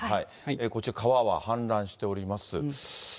こちら川は氾濫しております。